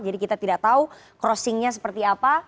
jadi kita tidak tahu crossingnya seperti apa